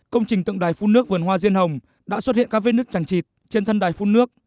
công trình tượng đài phun nước vườn hoa riêng hồng đã xuất hiện các vết nước chẳng chịt trên thân đài phun nước